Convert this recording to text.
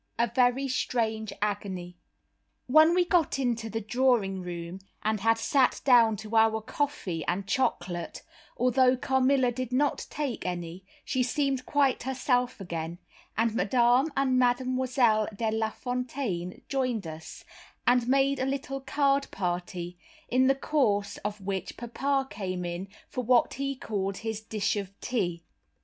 A Very Strange Agony When we got into the drawing room, and had sat down to our coffee and chocolate, although Carmilla did not take any, she seemed quite herself again, and Madame, and Mademoiselle De Lafontaine, joined us, and made a little card party, in the course of which papa came in for what he called his "dish of tea."